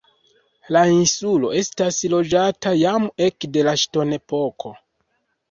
La insulo estas loĝata jam ekde la ŝtonepoko.